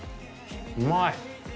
うまい！